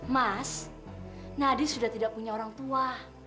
mas nadi sudah tidak punya orang tua